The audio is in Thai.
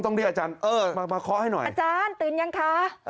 เรียกอาจารย์เออมาเคาะให้หน่อยอาจารย์ตื่นยังคะ